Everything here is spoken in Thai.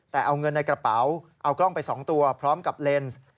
แต่เอาเงินในกระเป๋าเอากล้องไป๒ตัวพร้อมกับเลนส์